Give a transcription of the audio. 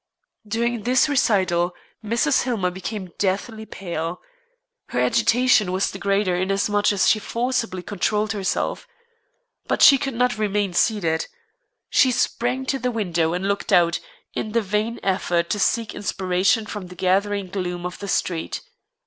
During this recital Mrs. Hillmer became deathly pale. Her agitation was the greater inasmuch as she forcibly controlled herself. But she could not remain seated. She sprang to the window and looked out, in the vain effort to seek inspiration from the gathering gloom of the street.